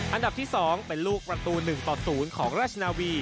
อันดับที่๒เป็นลูกประตู๑ต่อ๐ของราชนาวี